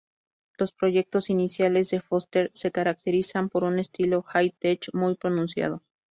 Los proyectos iniciales de Foster se caracterizan por un estilo "High-tech" muy pronunciado.